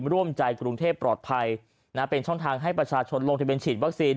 ร่วมใจกรุงเทพปลอดภัยนะเป็นช่องทางให้ประชาชนลงทะเบียนฉีดวัคซีน